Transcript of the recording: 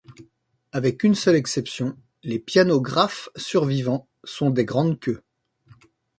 Avec une seule exception, les pianos Graf survivants sont des grands queues.